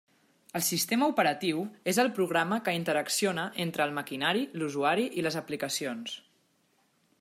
El sistema operatiu és el programa que interacciona entre el maquinari, l'usuari i les aplicacions.